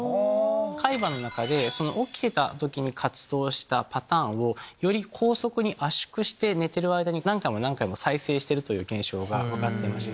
海馬の中で起きてた時に活動したパターンをより高速に圧縮して寝てる間に何回も再生してるという現象が分かっていまして。